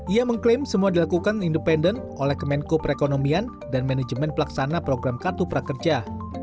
ia mengklaim semua dilakukan independen oleh kemenko perekonomian dan manajemen pelaksana program kartu prakerja